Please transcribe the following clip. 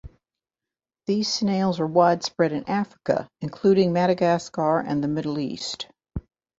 These snails are widespread in Africa including Madagascar and the Middle East.